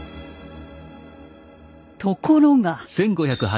ところが。